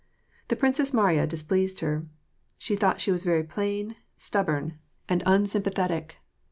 The Princess Mariya dis pleased her. She thought she was very plain, stubborn, and WAR AND PEACE. 886 unsympathetic.